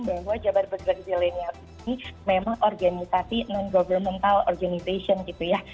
bahwa jabar bergerak di zilenial ini memang organisasi non governmental organization gitu ya